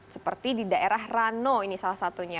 seperti di daerah rano ini salah satunya